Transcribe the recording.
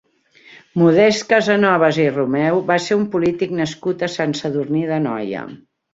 Modest Casanovas i Romeu va ser un polític nascut a Sant Sadurní d'Anoia.